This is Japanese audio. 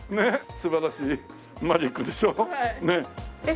素晴らしいマジックでしょ？えっ？